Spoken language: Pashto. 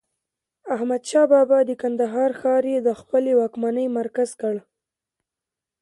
احمدشاه بابا د کندهار ښار يي د خپلې واکمنۍ مرکز کړ.